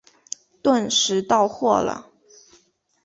顿时到货了